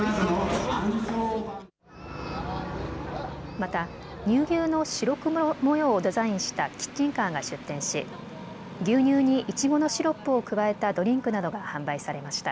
また乳牛の白黒模様をデザインしたキッチンカーが出店し牛乳にイチゴのシロップを加えたドリンクなどが販売されました。